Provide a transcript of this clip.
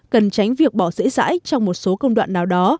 cần tránh việc bỏ dễ dãi trong một số công đoạn nào đó